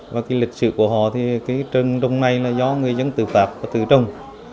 và lịch sử của họ thì trần đông này là do người dân tự phạt và tự trồng